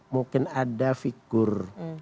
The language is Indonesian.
mungkin ada figur